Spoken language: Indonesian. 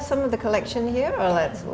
oke ada koleksi di sini